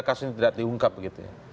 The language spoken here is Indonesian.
kasus ini tidak diungkap begitu ya